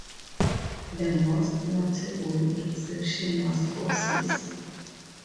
The most notable exception was Oasis.